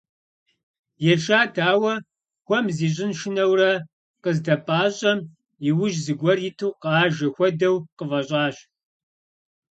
Ешат, ауэ хуэм зищӀын шынэурэ къыздэпӀащӀэм, иужь зыгуэр иту къажэ хуэдэу къыфӀэщӀащ.